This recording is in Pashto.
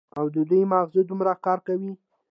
او د دوي مغـز دومـره کـار کـوي.